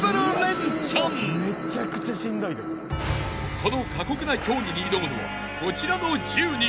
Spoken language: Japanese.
［この過酷な競技に挑むのはこちらの１０人］